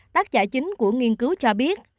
tác giả chính của nghiên cứu cho biết